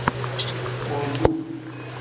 Bodu.